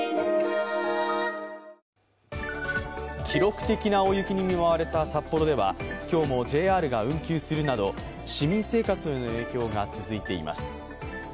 記録的な大雪に見舞われた札幌では今日もＪＲが運休するなど市民生活への影響が続いています。